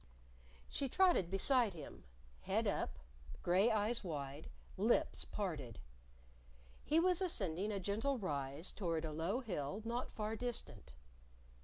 She trotted beside him, head up, gray eyes wide, lips parted. He was ascending a gentle rise toward a low hill not far distant.